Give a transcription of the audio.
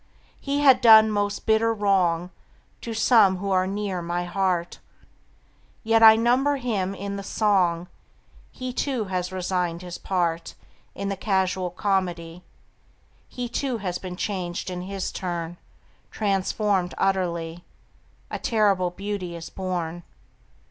He had done most bitter wrong To some who are near my heart, Yet I number him in the song; He, too, has resigned his part In the casual comedy; He, too, has been changed in his turn, Transformed utterly: A terrible beauty is born.